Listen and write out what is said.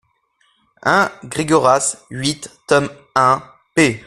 un Gregoras huit, tome un, p.